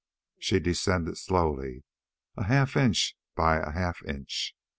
She descended slowly, a half inch by a half inch.